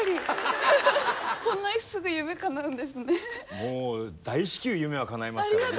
もう大至急夢はかなえますからね。